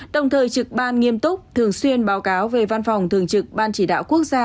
đồng thời trực ban nghiêm túc thường xuyên báo cáo về văn phòng thường trực ban chỉ đạo quốc gia